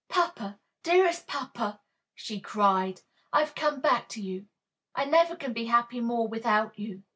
"Papa, dearest papa!" she cried, "I have come back to you. I never can be happy more without you."